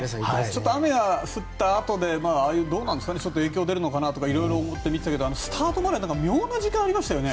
雨が降ったあとで影響が出るのかなとか色々見てたけどスタートぐらいで妙な時間がありましたよね。